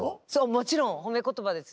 もちろん褒め言葉です。